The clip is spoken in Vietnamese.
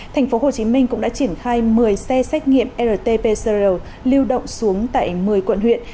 thành phố hồ chí minh cũng đã triển khai một mươi xe xét nghiệm rt p lưu động xuống tại một mươi quận huyện